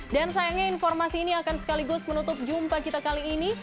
dan sayangnya informasi ini akan sekaligus menutup jumpa kita kali ini